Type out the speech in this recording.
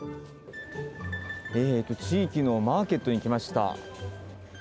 地域のマーケットに来ました。